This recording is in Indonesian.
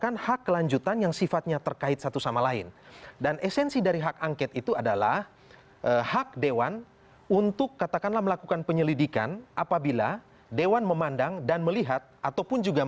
nanti kita akan bicara lagi di tengah sejumlah permasalahan permasalahan hukum